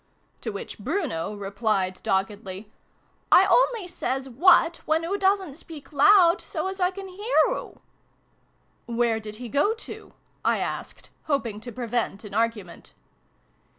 ' To which Bruno replied, doggedly, " I only says ' what !' when oo doosn't speak loud, so as I can hear oo." " Where did he go to ?" I asked, hoping to prevent an argument.